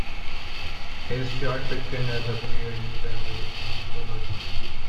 His short fiction has appeared in several anthologies.